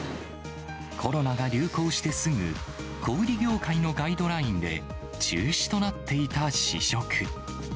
コロナが流行してすぐ、小売り業界のガイドラインで中止となっていた試食。